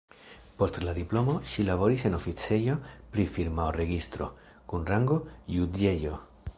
Post la diplomo ŝi laboris en oficejo pri firmaoregistro kun rango juĝejo.